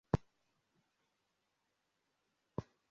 Umugabo ahagarara kure yinyanja mugihe ahagaze mubwato buto